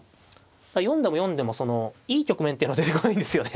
読んでも読んでもいい局面っていうのは出てこないんですよね